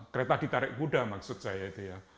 kereta ditarik kuda maksud saya itu ya